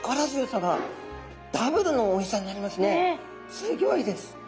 すギョいです。